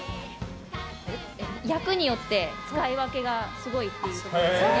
役によって使い分けがすごいっていうところ。